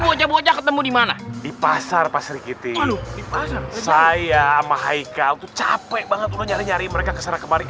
kalau kata pak ade kagak pergi mah itu sih sobres tangannya abis kayak keripik